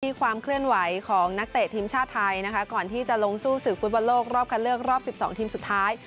ความเคลื่อนไหวของนักเตะทีมชาติไทยนะคะก่อนที่จะลงสู้ศึกฟุตบอลโลกรอบคันเลือกรอบ๑๒ทีมสุดท้าย